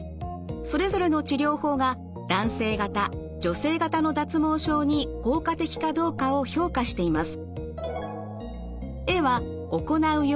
それぞれの治療法が男性型女性型の脱毛症に効果的かどうかを評価しています。